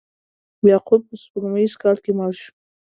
یعقوب په سپوږمیز کال کې مړ شو.